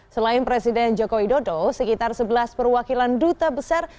selain presiden joko widodo sekitar sebelas perwakilan duta besar